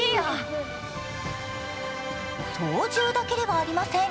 操縦だけではありません。